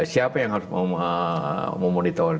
siapa yang harus memonitor